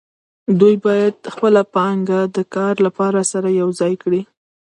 دوی باید خپله پانګه د کار لپاره سره یوځای کړي